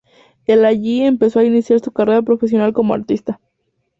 El allí empezó a iniciar su carrera profesional como artista.